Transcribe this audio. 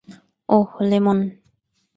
ওহ, lemon.